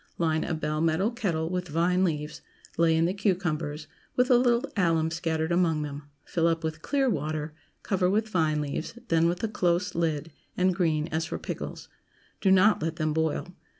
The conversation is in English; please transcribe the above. Line a bell metal kettle with vine leaves, lay in the cucumbers, with a little alum scattered among them; fill up with clear water; cover with vine leaves, then with a close lid, and green as for pickles. Do not let them boil.